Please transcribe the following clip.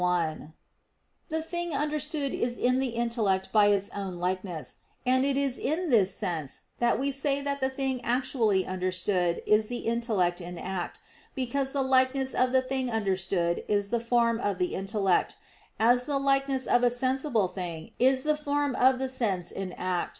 1: The thing understood is in the intellect by its own likeness; and it is in this sense that we say that the thing actually understood is the intellect in act, because the likeness of the thing understood is the form of the intellect, as the likeness of a sensible thing is the form of the sense in act.